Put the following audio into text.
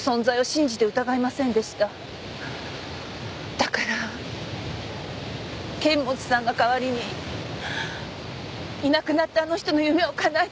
だから剣持さんが代わりにいなくなったあの人の夢を叶えてくれたらと思って。